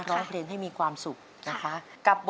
ร้องเพลงให้มีความสุขนะคะ